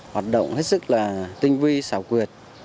hoạt động hết sức là tinh vi xảo quyệt